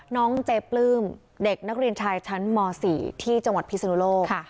น้องเจปลื้มเด็กนักเรียนชายชั้นม๔ที่จังหวัดพิศนุโลก